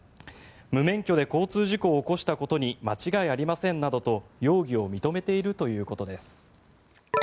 無免許で交通事故を起こしたことに間違いありませんなどと容疑を認めているということです。